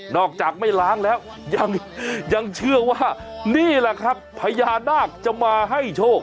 อกจากไม่ล้างแล้วยังเชื่อว่านี่แหละครับพญานาคจะมาให้โชค